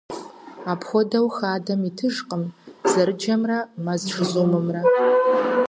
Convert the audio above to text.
Апхуэдэу, хадэм итыжкъым зэрыджэмрэ мэз жызумымрэ.